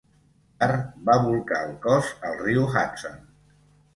Carr va bolcar el cos al riu Hudson.